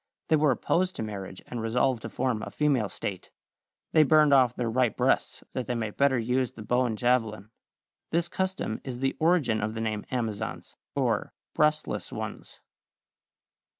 They were opposed to marriage and resolved to form a female state. They burned off their right breasts that they might better use the bow and javelin. This custom is the origin of the name "Amazons" or "breastless ones."